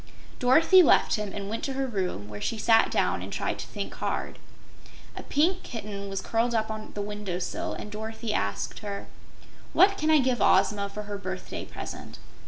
Dorothy left him and went to her room, where she sat down and tried to think hard. A Pink Kitten was curled up on the window sill and Dorothy asked her: "What can I give Ozma for her birthday present?"